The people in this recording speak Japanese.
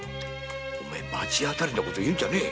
罰当たりなこと言うんじゃねえ！